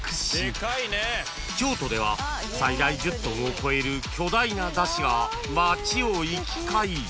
［京都では最大１０ｔを超える巨大な山車が街を行き交い］